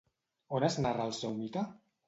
On es narra el seu mite?